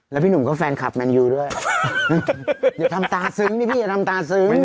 แล้วพี่หนุ่มก็แฟนคลับแมนยูด้วยอย่าทำตาซึ้งนี่พี่อย่าทำตาซึ้ง